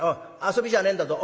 遊びじゃねえんだぞ。